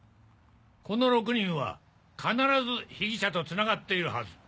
この６人は必ず被疑者とつながっているはず。